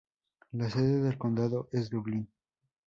La sede del condado es Dublin.